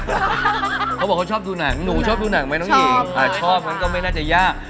เขาบอกเขาชอบดูหนังหนูชอบดูหนังไหมน้องหญิงชอบมันก็ไม่น่าจะยาก